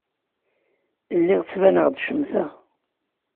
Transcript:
Lliɣ ttbaneɣ-d cemteɣ.